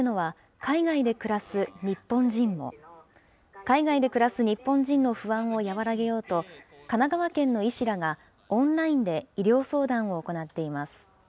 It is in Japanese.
海外で暮らす日本人の不安を和らげようと、神奈川県の医師らが、オンラインで医療相談を行っています。